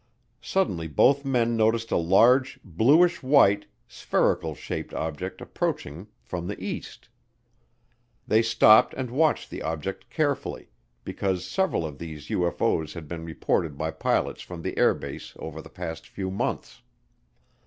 Suddenly both men noticed a large, bluish white, spherical shaped object approaching from the east. They stopped and watched the object carefully, because several of these UFO's had been reported by pilots from the air base over the past few months.